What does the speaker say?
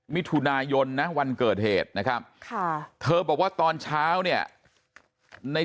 มิถุนายนนะวันเกิดเหตุนะครับค่ะเธอบอกว่าตอนเช้าเนี่ยใน